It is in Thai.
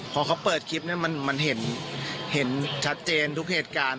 พอเขาเปิดคลิปนี้มันเห็นชัดเจนทุกเหตุการณ์